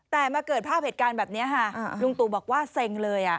แต่มาเกิดภาพเหตุการณ์แบบนี้ค่ะลุงตู่บอกว่าเซ็งเลย